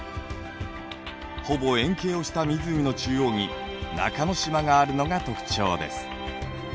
ほぼ円形をした湖の中央に中島があるのが特徴です。